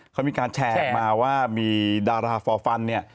เขามีการแชร์มาว่ามีดาราฟอร์ฟัน